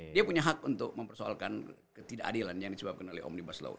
dia punya hak untuk mempersoalkan ketidakadilan yang disebabkan oleh omnibus law